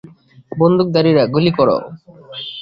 বন্দুকধারীরা, গুলি করো!